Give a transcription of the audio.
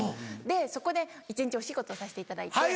そこで一日お仕事させていただいて。